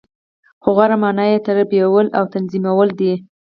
خو غوره معنا یی ترتیبول او تنظیمول دی .